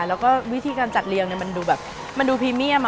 แล้วก็วิธีการจัดเรียงมันดูแบบมันดูพรีเมียม